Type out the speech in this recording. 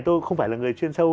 tôi không phải là người chuyên sâu